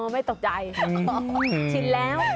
ไม่ตกใจชินแล้ว